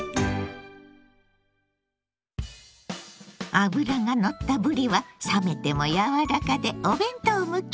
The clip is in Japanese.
脂がのったぶりは冷めても柔らかでお弁当向き。